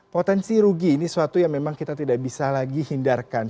potensi rugi ini suatu yang memang kita tidak bisa lagi hindarkan